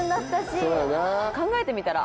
考えてみたら。